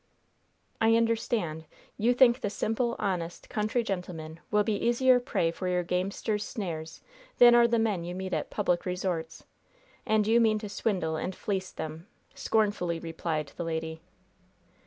'" "I understand. You think the simple, honest, country gentlemen will be easier prey for your gamester's snares than are the men you meet at public resorts. And you mean to swindle and fleece them," scornfully replied the lady.